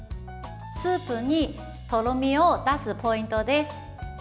スープにとろみを出すポイントです。